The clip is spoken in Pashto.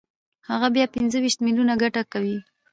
هغه بیا پنځه ویشت میلیونه ګټه کوي